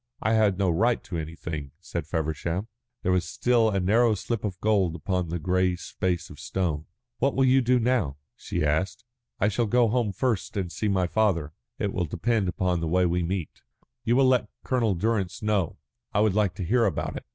"I had no right to anything," said Feversham. There was still a narrow slip of gold upon the grey space of stone. "What will you do now?" she asked. "I shall go home first and see my father. It will depend upon the way we meet." "You will let Colonel Durrance know. I would like to hear about it."